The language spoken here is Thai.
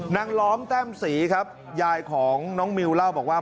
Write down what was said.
ล้อมแต้มศรีครับยายของน้องมิวเล่าบอกว่า